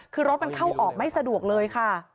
คือรถมันเข้าออกไม่สะดวกเลยค่ะ